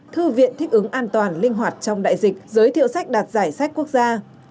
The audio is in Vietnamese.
thư viện thích ứng an toàn linh hoạt trong đại dịch giới thiệu sách đạt giải sách quốc gia